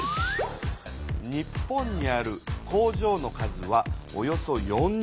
日本にある工場の数はおよそ４０万。